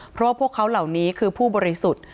เพราะว่าพวกเขาเหล่านี้คือผู้บริสุทธิ์